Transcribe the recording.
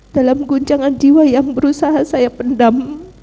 dalam guncangan jiwa yang berusaha saya pendam